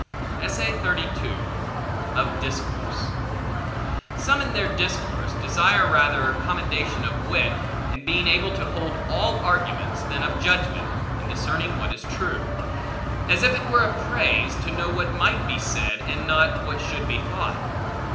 Of Discourse SOME, in their discourse, desire rather commendation of wit, in being able to hold all arguments, than of judgment, in discerning what is true; as if it were a praise, to know what might be said, and not, what should be thought.